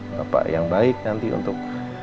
bapak yang baik nanti untuk